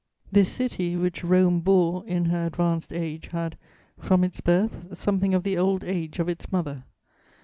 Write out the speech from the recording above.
"This city, which Rome bore in her advanced age, had, from its birth, something of the old age of its mother.